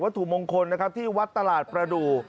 ถุมงคลนะครับที่วัดตลาดประดูก